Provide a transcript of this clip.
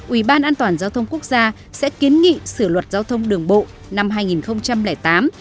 ủy ban an toàn giao thông quốc gia sẽ kiến nghị sửa luật giao thông đường bộ năm hai nghìn tám